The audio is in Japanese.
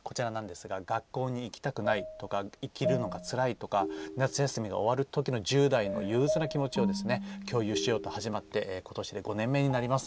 学校に行きたくないとか生きるのがつらいとか夏休みが終わるときの１０代の憂うつな気持ちを共有しようと始まってことしで５年目になります。